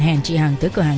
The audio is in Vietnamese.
hẹn chị hằng tới cửa hàng